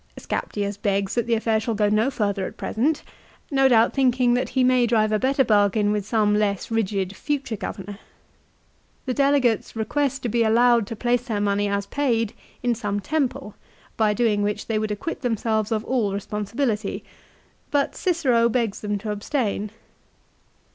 Scaptius begs that the affair shall go no further at present, no doubt thinking that he may drive a better bargain with some less rigid future governor. The delegates request to be allowed to place their money as paid in some temple, by * doing which they would acquit themselves of all responsibility ; but Cicero begs them to abstain.